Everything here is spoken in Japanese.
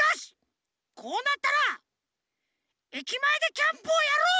こうなったら駅前でキャンプをやろう！